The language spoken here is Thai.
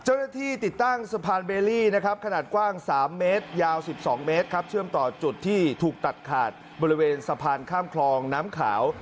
เจ้าหน้าที่ติดตั้งสะพานเบลลี่นะครับขนาดกว้าง๓เมตรยาว๑๒เมตรครับเชื่อมต่อจุดที่ถูกตัดขาดบริเวณสะพานข้ามคลองน้ำขาว